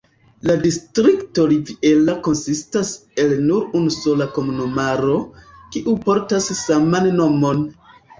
La distrikto Riviera konsistas el nur unu sola komunumaro, kiu portas saman nomon.